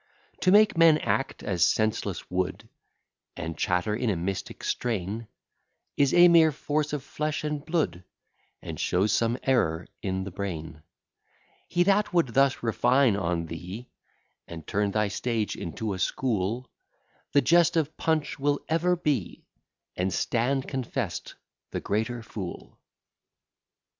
To make men act as senseless wood, And chatter in a mystic strain, Is a mere force on flesh and blood, And shows some error in the brain. He that would thus refine on thee, And turn thy stage into a school, The jest of Punch will ever be, And stand confest the greater fool.